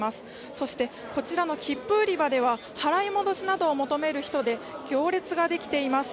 そして、こちらの切符売り場では払い戻しなどを求める人で行列ができています。